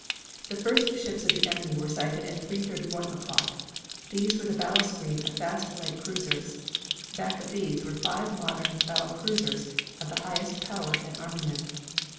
The first ships of the enemy were sighted at 3.31 o'clock. These were the battle screen of fast light cruisers. Back of these were five modern battle cruisers of the highest power and armament.